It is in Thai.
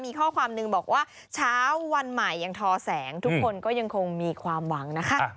มีข้อความหนึ่งบอกว่าเช้าวันใหม่ยังทอแสงทุกคนก็ยังคงมีความหวังนะคะ